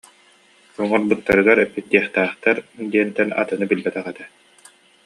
Оҥорбуттарыгар эппиэттиэхтээхтэр диэнтэн атыны билбэтэх этэ